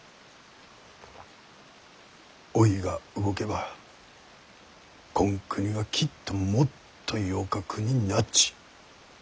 おいが動けばこん国はきっともっとよか国になっち信じちょった。